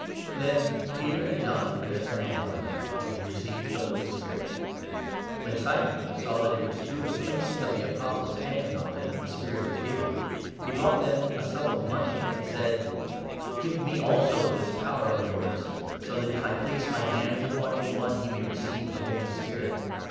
Then Peter and John placed their hands on them, and they received the Holy Spirit. When Simon saw that it was through the placing of the Apostles' hands on them that the Spirit was given, he brought them a sum of money and said :" Give me also this power of yours, so that, if I place my hands upon any one, he may receive the Holy Spirit."